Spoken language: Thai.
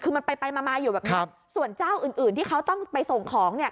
คือมันไปไปมามาอยู่แบบนี้ส่วนเจ้าอื่นอื่นที่เขาต้องไปส่งของเนี่ย